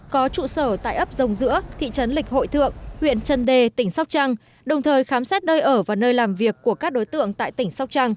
có trụ sở tại ấp dông dữa thị trấn lịch hội thượng huyện trần đề tỉnh sóc trăng đồng thời khám xét nơi ở và nơi làm việc của các đối tượng tại tỉnh sóc trăng